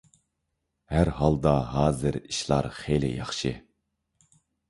ھەر ھالدا ھازىر ئىشلار خېلى ياخشى.